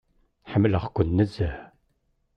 Ḥemmleɣ-ken nezzeh.